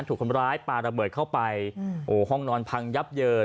ถูกคนร้ายปลาระเบิดเข้าไปโอ้โหห้องนอนพังยับเยิน